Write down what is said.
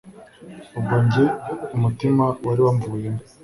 ubwo njye umutima wari wamvuyemo